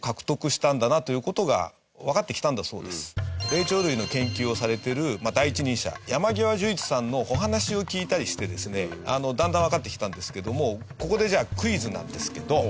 霊長類の研究をされている第一人者山極壽一さんのお話を聞いたりしてですねだんだんわかってきたんですけどもここでじゃあクイズなんですけど。